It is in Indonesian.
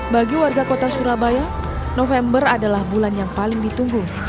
bagi warga kota surabaya november adalah bulan yang paling ditunggu